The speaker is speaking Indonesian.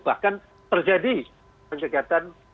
bahkan terjadi kegiatan